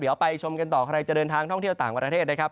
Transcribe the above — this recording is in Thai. เดี๋ยวไปชมกันต่อใครจะเดินทางท่องเที่ยวต่างประเทศนะครับ